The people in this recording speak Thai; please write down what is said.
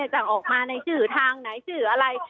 จะออกมาในชื่อทางไหนชื่ออะไร